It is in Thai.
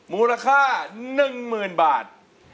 มูลค่า๑๐๐๐บาท